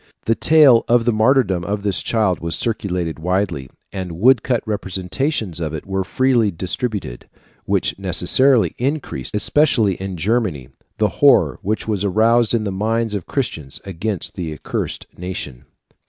The tale of the martyrdom of this child was circulated widely, and woodcut representations of it were freely distributed, which necessarily increased, especially in Germany, the horror which was aroused in the minds of Christians against the accursed nation (Fig.